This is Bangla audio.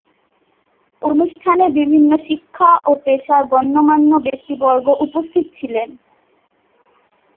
অনুষ্ঠানে বিভিন্ন শিক্ষা ও পেশার গণ্যমান্য ব্যক্তিবর্গ উপস্থিত ছিলেন।